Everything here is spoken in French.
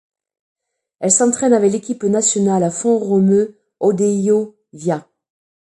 Elle s'entraîne avec l'équipe nationale à Font-Romeu-Odeillo-Via.